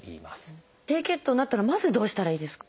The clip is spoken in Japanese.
低血糖になったらまずどうしたらいいですか？